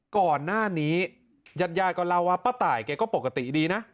ก่อนหน้านี้ยันยายกับเราป้าตายเขาก็ปกติดีนะ